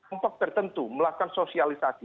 untuk tertentu melakukan sosialisasi